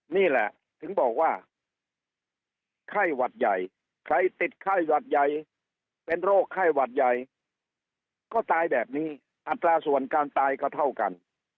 นี่แหละถึงบอกว่าไข้หวัดใหญ่ใครติดไข้หวัดใหญ่เป็นโรคไข้หวัดใหญ่ก็ตายแบบนี้อัตราส่วนการตายก็เท่ากัน